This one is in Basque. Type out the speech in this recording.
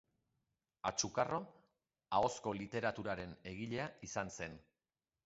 Atxukarro ahozko literaturaren egilea izan zen.